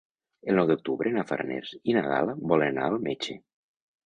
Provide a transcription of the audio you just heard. El nou d'octubre na Farners i na Gal·la volen anar al metge.